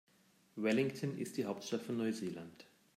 Wellington ist die Hauptstadt von Neuseeland.